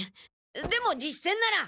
でも実戦なら！